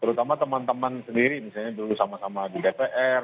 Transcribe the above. terutama teman teman sendiri misalnya dulu sama sama di dpr